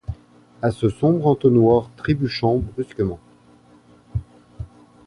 À ce sombre entonnoir trébuchant brusquement